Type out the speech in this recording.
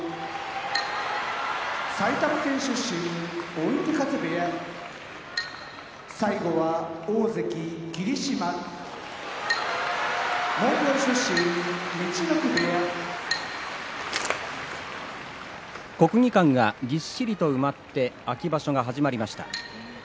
追手風部屋大関・霧島モンゴル出身陸奥部屋国技館がぎっしりと埋まって秋場所が始まりました。